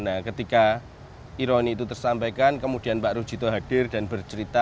nah ketika ironi itu tersampaikan kemudian pak rujito hadir dan bercerita